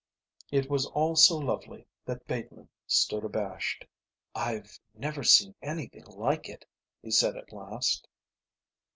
It was all so lovely that Bateman stood abashed. "I've never seen anything like it," he said at last.